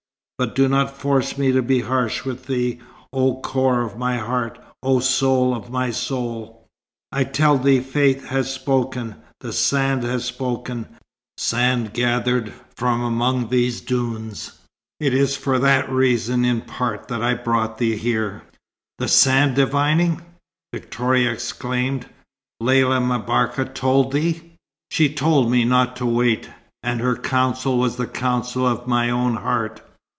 But do not force me to be harsh with thee, oh core of my heart, oh soul of my soul! I tell thee fate has spoken. The sand has spoken sand gathered from among these dunes. It is for that reason in part that I brought thee here." "The sand divining!" Victoria exclaimed. "Lella M'Barka told thee " "She told me not to wait. And her counsel was the counsel of my own heart.